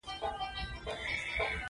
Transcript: یوه د ډریور او یوه د بل تن له پاره.